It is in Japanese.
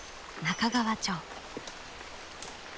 中川町。